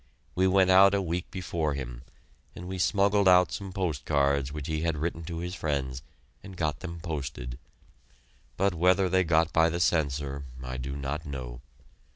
We went out a week before him, and we smuggled out some post cards which he had written to his friends and got them posted, but whether they got by the censor, I do not know.